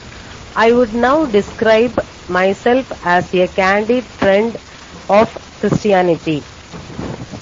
I would now describe myself as a candid friend of Christianity.